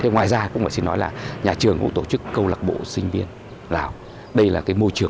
ngoài ra nhà trường cũng tổ chức câu lạc bộ sinh viên lào